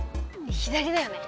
左だよね。